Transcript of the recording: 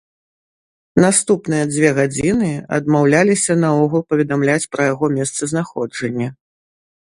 Наступныя дзве гадзіны адмаўляліся наогул паведамляць пра яго месцазнаходжанне.